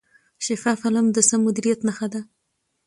شفاف عمل د سم مدیریت نښه ده.